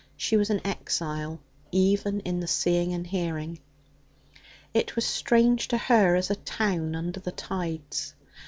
She was an exile even in the seeing and hearing. It was strange to her as a town under the tides.